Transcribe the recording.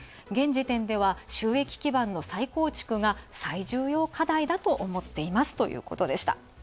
現時点では収益基盤の再構築が最重要課題だと思っていますということでした。